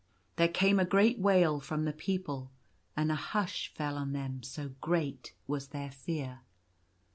There came a great wail from the people ; and a hush fell on them, so great was their fear.